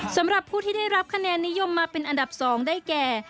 สำหรับผู้ที่ได้รับคะแนนนิยมมาเป็นอันดับ๒ได้แก่